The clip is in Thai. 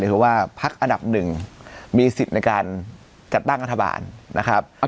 คือว่าพักอันดับหนึ่งมีสิทธิ์ในการจัดตั้งรัฐบาลนะครับ